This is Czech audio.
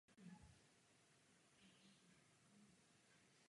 Všechny tyto lodě se nacházeli na čele japonské formace.